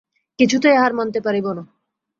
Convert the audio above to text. কিছুতেই হার মানিতে পারিব না।